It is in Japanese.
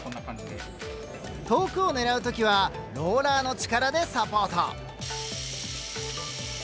遠くを狙う時はローラーの力でサポート。